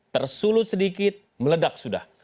tersulut sedikit meledak sudah